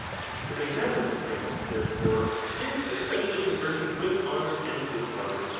/The magnanimous (man, therefore, is especially con versant with honour and dishonour.